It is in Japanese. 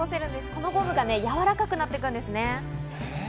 このゴムがやわらかくなっていくんですね。